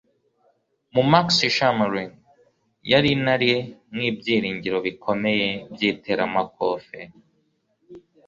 Mu Max Schmeling yari intare nk'ibyiringiro bikomeye by'iteramakofe